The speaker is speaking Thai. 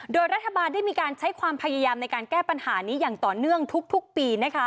โดยรัฐบาลได้มีการใช้ความพยายามในการแก้ปัญหานี้อย่างต่อเนื่องทุกปี